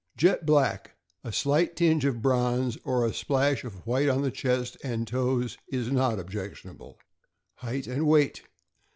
— Jet black. A slight tinge of bronze, or a splash of white on chest and toes, is not objectionable. Height and weight.